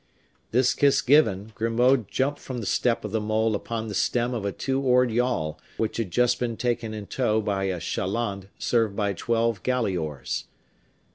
This kiss given, Grimaud jumped from the step of the mole upon the stem of a two oared yawl, which had just been taken in tow by a chaland served by twelve galley oars.